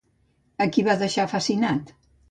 A qui va deixar fascinat?